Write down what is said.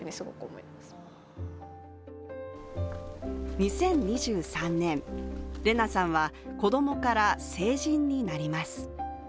２０２３年、レナさんは子供から成人になります。